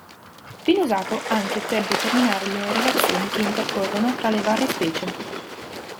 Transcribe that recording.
Viene usato anche per determinare le relazioni che intercorrono tra le varie specie.